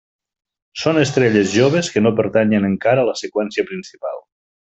Són estrelles joves que no pertanyen encara a la seqüència principal.